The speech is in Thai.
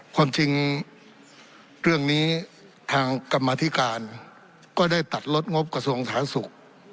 ความจริงเรื่องนี้ทางกรรมธิการก็ได้ตัดลดงบกระทรวงสาธารณสุข